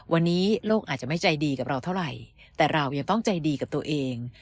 วันนี้โลกอาจจะไม่ใจดีกับเราเท่าไหร่แต่เรายังต้องใจดีกับตัวเอง